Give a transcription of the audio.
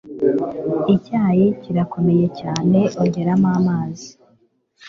Icyayi kirakomeye cyane. Ongeramo amazi.